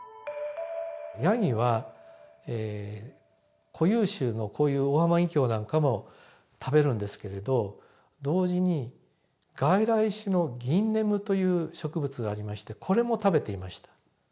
ヤギは固有種のこういうオオハマギキョウなんかも食べるんですけれど同時に外来種のギンネムという植物がありましてこれも食べていました。